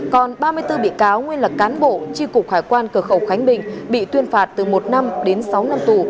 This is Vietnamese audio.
còn ba mươi bốn bị cáo nguyên là cán bộ tri cục hải quan cửa khẩu khánh bình bị tuyên phạt từ một năm đến sáu năm tù